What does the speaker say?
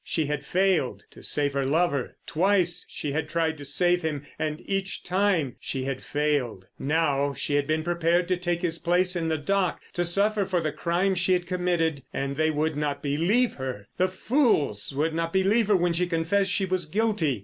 She had failed to save her lover. Twice she had tried to save him. And each time she had failed. Now she had been prepared to take his place in the dock—to suffer for the crime she had committed. And they would not believe her. The fools would not believe her when she confessed she was guilty.